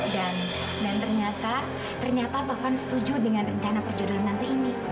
dan ternyata taufan setuju dengan rencana perjodohan tante ini